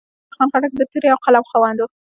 خوشحال خان خټک د تورې او قلم خاوند و.